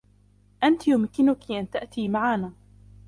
أنتِ يمكنكِ أن تأتي معنا.